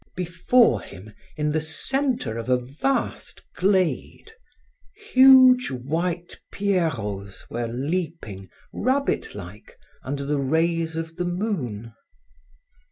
Before him, in the center of a vast glade, huge white pierrots were leaping rabbit like under the rays of the moon.